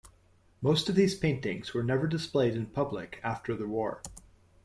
Most of these paintings were never displayed in public after the war.